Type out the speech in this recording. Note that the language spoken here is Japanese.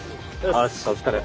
よしお疲れ。